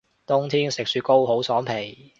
冬天食雪糕好爽皮